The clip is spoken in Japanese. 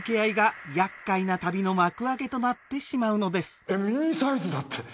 しかしえぇミニサイズだって。